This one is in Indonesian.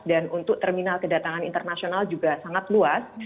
dan untuk terminal kedatangan internasional juga sangat luas